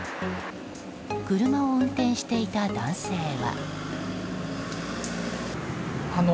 車を運転していた男性は。